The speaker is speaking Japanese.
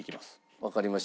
わかりました。